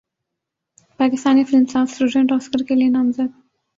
Pakistani film ساز student Oscar کے لیے نامزد